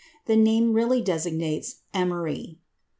The name really designates "emery."